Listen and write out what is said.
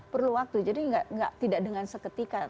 perlu waktu jadi tidak dengan seketika